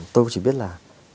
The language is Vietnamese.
tôi chỉ biết là